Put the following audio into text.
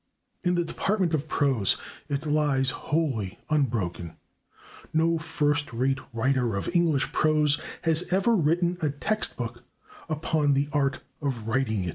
In the department of prose it lies wholly unbroken; no first rate writer of English prose has ever written a text book upon the art of writing it.